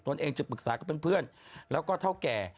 เองจะปรึกษากับเพื่อนแล้วก็เท่าแก่